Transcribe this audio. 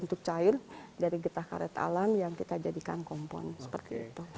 untuk cair dari getah karet alam yang kita jadikan kompon seperti itu